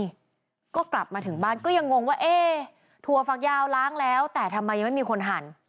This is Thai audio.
นี่ก็กลับมาถึงบ้านก็ยังงงว่าเอ๊ถั่วฝักยาวล้างแล้วแต่ทำไมยังไม่มีคนหั่น